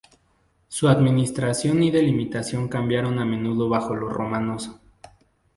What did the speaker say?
Su administración y delimitación cambiaron a menudo bajo los romanos.